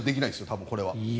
多分、これは。